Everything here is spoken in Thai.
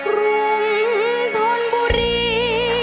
รุงธนบุรี